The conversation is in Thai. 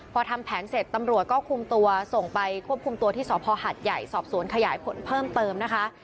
พอทำแผนเสร็จตำรวจก็คุมตัวส่งไปควบคุมตัวที่สภหัดใหญ่สอบสวนขยายผลเพิ่มเติมนะคะ